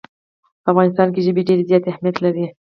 په افغانستان کې ژبې ډېر زیات اهمیت لري.